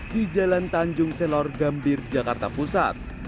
di jalan tanjung selor gambir jakarta pusat